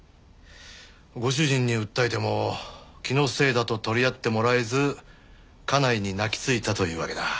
ご主人に訴えても気のせいだと取り合ってもらえず家内に泣きついたというわけだ。